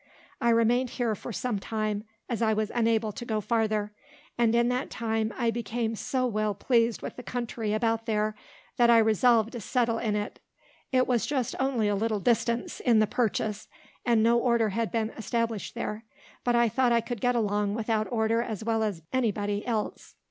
I remained here for some time, as I was unable to go farther; and in that time, I became so well pleased with the country about there, that I resolved to settle in it. It was just only a little distance in the purchase, and no order had been established there; but I thought I could get along without order as well as any body else.